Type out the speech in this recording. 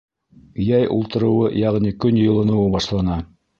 Йәй ултырыуы, йәғни көн йылыныуы башлана.